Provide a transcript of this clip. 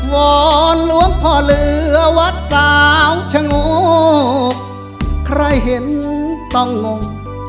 วอนหลวงพ่อเหลือวัดสามชะโงกใครเห็นต้องงง